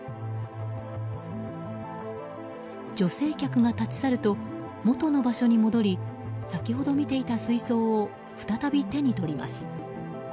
女性客が立ち去ると元の場所に戻り先ほど見ていた水槽を再び手に取ります。